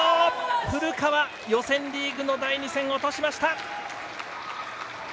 古川、予選リーグ第２戦を落としました。